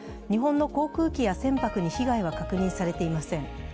日本の航空機や船舶に被害は確認されていません。